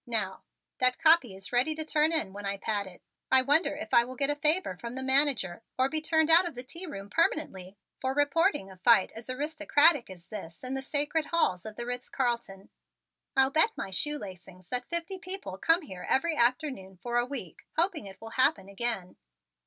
Now that copy is ready to turn in when I pad it. I wonder if I will get a favor from the manager or be turned out of the tea room permanently for reporting a fight as aristocratic as this in the sacred halls of the Ritz Carlton. I'd bet my shoe lacings that fifty people come here every afternoon for a week hoping it will happen again."